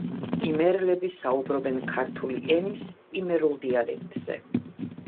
იმერლები საუბრობენ ქართული ენის იმერულ დიალექტზე.